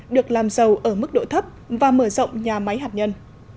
được làm giàu ở mức độ thấp và mở rộng nhà máy hạt nhân